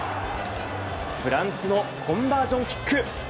フランスのコンバージョンキック。